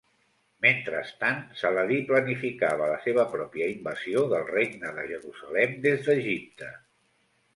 Mentrestant, Saladí planificava la seva pròpia invasió del Regne de Jerusalem des d'Egipte.